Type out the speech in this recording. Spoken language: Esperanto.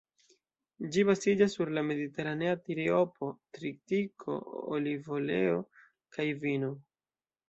Ĝi baziĝas sur la ""mediteranea triopo"": tritiko, olivoleo kaj vino.